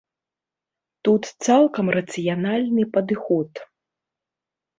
Тут цалкам рацыянальны падыход.